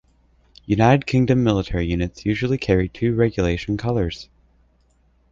United Kingdom military units usually carry two Regulation Colours.